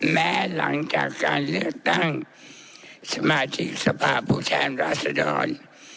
แม้หลังจากการเลือกตั้งสมาชิกสภาพผู้แทนราษดร